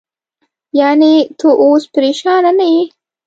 یعنې، ته اوس پرېشانه نه یې؟